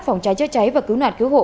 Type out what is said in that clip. phòng trái cháy cháy và cứu nạt cứu hộ